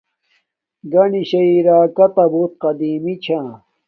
گنشݵ راکاتا بوت قدیمی چھا